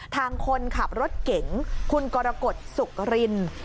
ทางคนขับรถเก๋งคุณกรกฎสุกริน